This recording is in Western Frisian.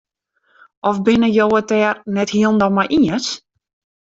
Of binne jo it dêr net hielendal mei iens?